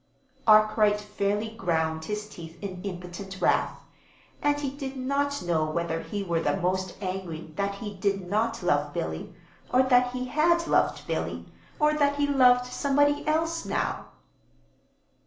Arkwright fairly ground his teeth in impotent wrath and he did not know whether he were the most angry that he did not love Billy, or that he had loved Billy, or that he loved somebody else now.